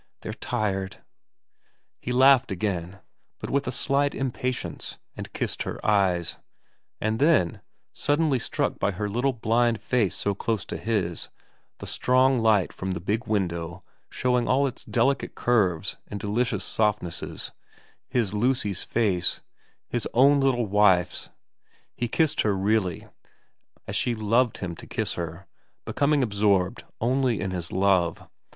* They're tired ' He laughed again, but with a slight impatience, and kissed her eyes ; and then, suddenly struck by her little blind face so close to his, the strong light from the big window showing all its delicate curves and delicious softnesses, his Lucy's face, his own little wife's, he kissed her really, as she loved him to kiss her, becoming absorbed only in his love.